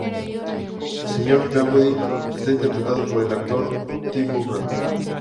Sr. Peabody será interpretado por el actor Ty Burrell.